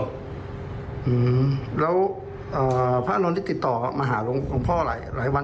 อืมแล้วพระอนุนิตติดต่อมหาลงค์ของพ่อหลายวัน